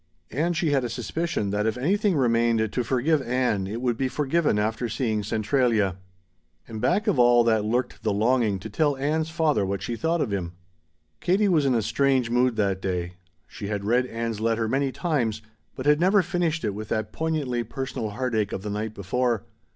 And she had a suspicion that if anything remained to forgive Ann it would be forgiven after seeing Centralia. And back of all that lurked the longing to tell Ann's father what she thought of him. Katie was in a strange mood that day. She had read Ann's letter many times, but had never finished it with that poignantly personal heartache of the night before.